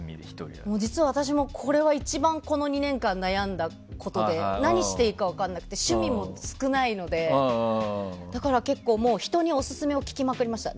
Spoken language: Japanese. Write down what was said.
実は私もこれが一番この２年間悩んだことで何していいか分からなくて趣味も少ないのでだから、人にオススメを聞きまくりました。